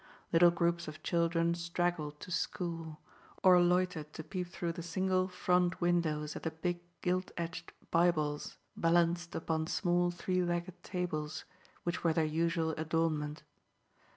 Little groups of children straggled to school, or loitered to peep through the single, front windows at the big, gilt edged Bibles, balanced upon small, three legged tables, which were their usual adornment.